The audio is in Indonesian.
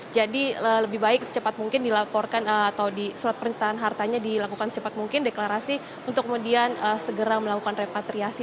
jadi lebih baik secepat mungkin dilaporkan atau di surat perintahan hartanya dilakukan secepat mungkin deklarasi untuk kemudian segera melakukan repatriasi